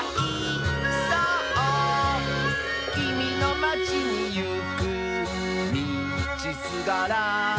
「きみのまちにいくみちすがら」